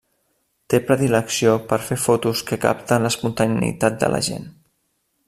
Té predilecció per fer fotos que capten l'espontaneïtat de la gent.